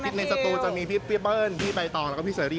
ในสตูจะมีพี่เบิ้ลพี่ใบตองแล้วก็พี่เชอรี่